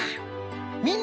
みんな！